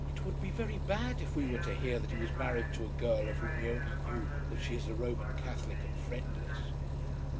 "It would be very bad if we were to hear that he was married to a girl of whom we only know that she is a Roman Catholic and friendless."